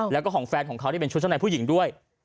แล้วก็ของแฟนของเขาที่เป็นชุดชั้นในผู้หญิงด้วย